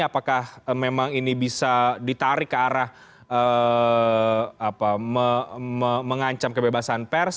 apakah memang ini bisa ditarik ke arah mengancam kebebasan pers